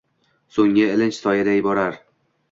Soʼnggi ilinj soyaday borar…